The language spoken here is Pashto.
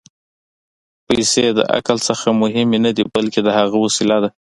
پېسې د عقل نه مهمې نه دي، بلکې د هغه وسیله ده.